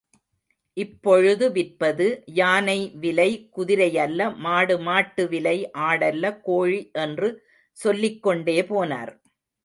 இப்பொழுது விற்பது— யானை விலை குதிரையல்ல மாடு மாட்டு விலை ஆடல்ல கோழி என்று சொல்லிக் கொண்டே போனார்.